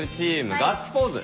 ガッツポーズ